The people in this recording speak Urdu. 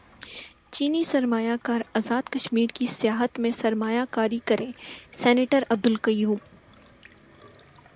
چینی سرمایہ کار ازاد کشمیر کی سیاحت میں سرمایہ کاری کریں سینیٹر عبدالقیوم